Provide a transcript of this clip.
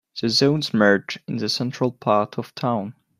The zones merge in the central part of town.